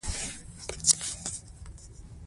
د انسان تر ټولو لويه پانګه غوره اخلاق دي.